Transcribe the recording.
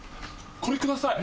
これください。